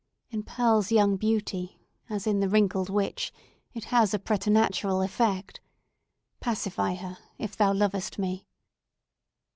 In Pearl's young beauty, as in the wrinkled witch, it has a preternatural effect. Pacify her if thou lovest me!"